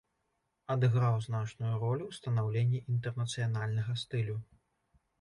Адыграў значную ролю ў станаўленні інтэрнацыянальнага стылю.